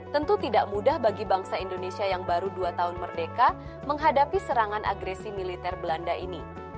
tentu tidak mudah bagi bangsa indonesia yang baru dua tahun merdeka menghadapi serangan agresi militer belanda ini